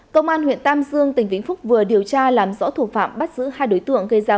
công an huyện tam dương tỉnh vĩnh phúc vừa điều tra làm rõ thủ phạm bắt giữ hai đối tượng gây ra